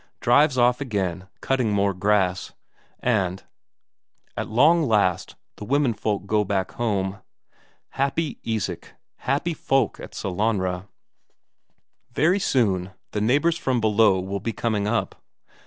Drives off again, cutting more grass. And, at long last, the womenfolk go back home. Happy Isak happy folk at Sellanraa! Very soon the neighbours from below will be coming up.